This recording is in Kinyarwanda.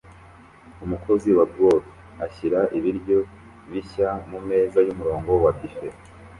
Umukozi wa glove ashyira ibiryo bishya mumeza yumurongo wa buffet